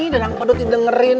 danang pedut didengerin